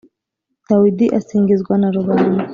Dawidi asingizwa na rubanda